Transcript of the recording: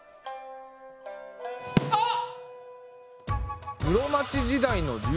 あっ！